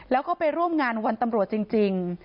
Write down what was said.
แล้วก็ไปร่วมงานวันตำรวจจริง